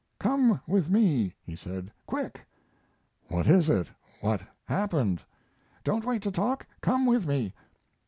"Come with me," he said. "Quick!" "What is it? What's happened?" "Don't wait to talk. Come with me."